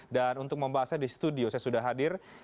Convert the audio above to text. dan untuk membahasnya di studio saya sudah hadir